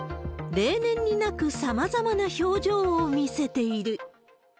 例年になく、さまざまな表情を見せている。